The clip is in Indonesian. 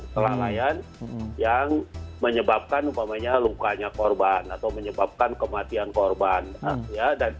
kelalaian yang menyebabkan upamanya lukanya korban atau menyebabkan kematian korban ya dan